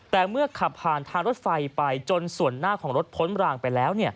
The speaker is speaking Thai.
แต่เมื่อขับผ่านทางรถไฟไปจนส่วนหน้าของรถพ้นรางไปแล้ว